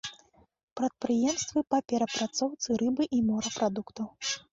Прадпрыемствы па перапрацоўцы рыбы і морапрадуктаў.